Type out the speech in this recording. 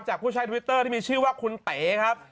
ผู้ใช้ทวิตเตอร์ที่มีชื่อว่าคุณเต๋ครับ